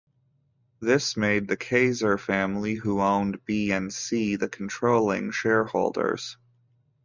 This made the Cayzer family, who owned B and C, the controlling shareholders.